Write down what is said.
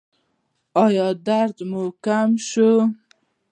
ایا درد مو کم شو؟